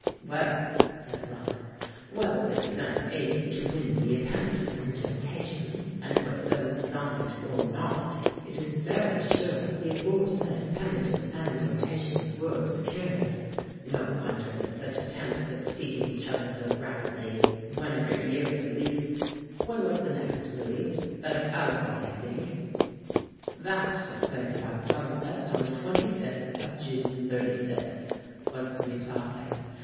"Well," said Rollin, "whether this event aided to win the appanages and dotations, and was so designed, or not, it is very sure the aforesaid appanages and dotations were secured. No wonder that such attempts succeed each other so rapidly one every year, at the least! When was the next, Louis that of Alibaud, I think?" "That took place about sunset on the 25th of June, '36," was the reply.